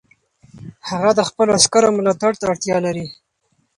هغه د خپلو عسکرو ملاتړ ته اړتیا لري.